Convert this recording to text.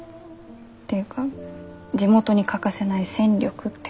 ていうか地元に欠かせない戦力って感じ。